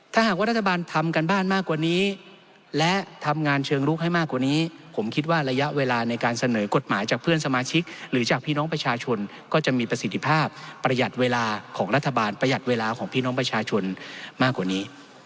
ถ้าหากว่ารัฐบาลทำการบ้านมากกว่านี้และทำงานเชิงลุกให้มากกว่านี้ผมคิดว่าระยะเวลาในการเสนอกฎหมายจากเพื่อนสมาชิกหรือจากพี่น้องประชาชนก็จะมีประสิทธิภาพประหยัดเวลาของรัฐบาลประหยัดเวลาของพี่น้องประชาชนมากกว่านี้